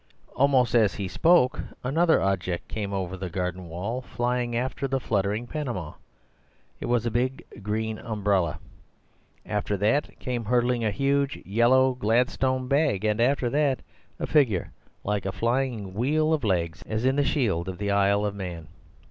Almost as he spoke, another object came over the garden wall, flying after the fluttering panama. It was a big green umbrella. After that came hurtling a huge yellow Gladstone bag, and after that came a figure like a flying wheel of legs, as in the shield of the Isle of Man.